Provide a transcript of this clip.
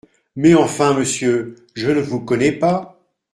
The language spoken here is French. Mais enfin, monsieur, je ne vous connais pas.